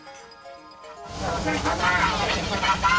お客様、やめてください！